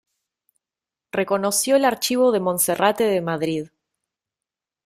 Reconoció el Archivo de Monserrate de Madrid.